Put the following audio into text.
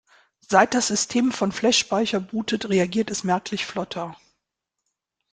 Seit das System von Flashspeicher bootet, reagiert es merklich flotter.